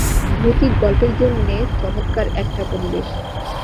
ভৌতিক গল্পের জন্যে চমৎকার একটা পরিবেশ।